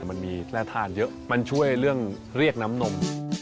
มันมีน่าทานเยอะมันช่วยเรื่องเรียกน้ำนม